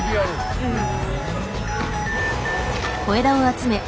うん。